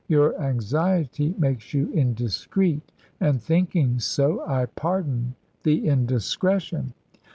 Your anxiety makes you indiscreet, and thinking so, I pardon the indiscretion."